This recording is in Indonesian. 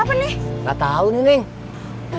selamat enam tahun ya nak